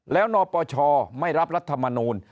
แล้วนปชไม่รับรัฐมนูล